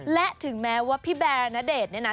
และถึงแม้ว่าพี่แบร์ณเดชน์เนี่ยนะ